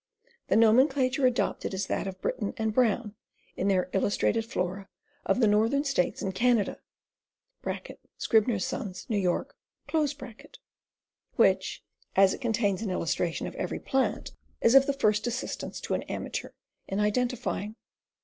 The nomenclature adopted is that of Britton and Brown in their Illustrated Flora of the NoHhern States and Cai%ada (Scribner's Sons, New York), which, as it contains an illustration of every plant, is of the first assistance to an amateur in identi fying.